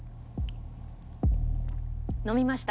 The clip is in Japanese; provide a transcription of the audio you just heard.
飲みました。